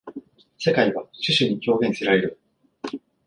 世界は種々に表現せられる。